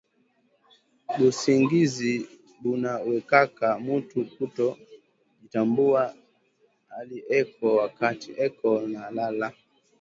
Busingizi buna wekaka mutu kuto kujitambuwa ali eko wakati eko na lala